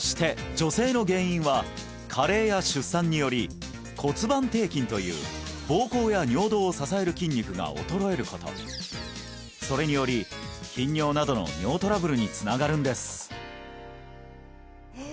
女性の原因は加齢や出産により骨盤底筋という膀胱や尿道を支える筋肉が衰えることそれにより頻尿などの尿トラブルにつながるんですへえ